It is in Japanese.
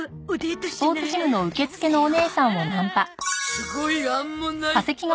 すごいアンモナイト。